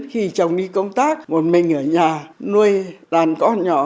khi chồng đi công tác một mình ở nhà nuôi đàn con nhỏ